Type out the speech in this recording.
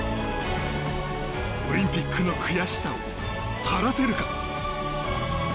オリンピックの悔しさを晴らせるか？